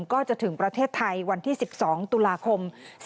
ก็จะถึงประเทศไทยวันที่๑๒ตุลาคม๒๕๖